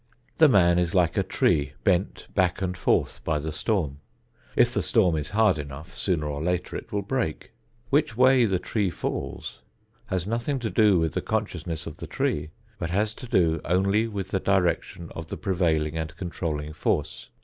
The man is like a tree bent back and forth by the storm. If the storm is hard enough, sooner or later it will break. Which way the tree falls has nothing to do with the consciousness of the tree, but has to do only with the direction of the prevailing and controlling force.